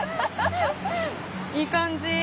いい感じ。